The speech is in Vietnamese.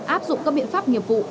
áp dụng các biện pháp nghiệp vụ